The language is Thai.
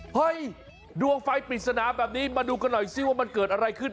เฮ้ยดวงไฟปริศนาแบบนี้มาดูกันหน่อยสิว่ามันเกิดอะไรขึ้น